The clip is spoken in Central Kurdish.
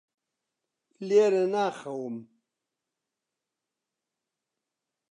لێرە ناخەوم.